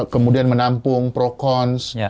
kemudian menampung pro cons